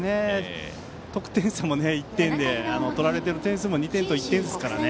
得点差も１点で取られてる点数も１点と２点ですからね。